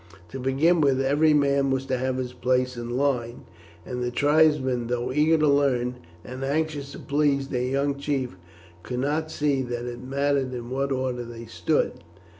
To begin with, every man was to have his place in the line, and the tribesmen, though eager to learn, and anxious to please their young chief, could not see that it mattered in what order they stood.